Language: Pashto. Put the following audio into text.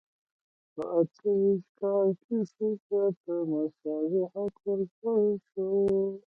په اته ویشت کال کې ښځو ته مساوي حق ورکړل شو.